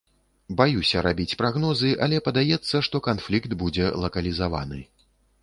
Баюся рабіць прагнозы, але падаецца, што канфлікт будзе лакалізаваны.